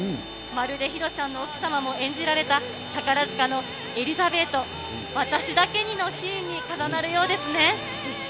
まるでヒデさんの奥様も演じられた、宝塚のエリザベート、私だけにのシーンに重なるようですね。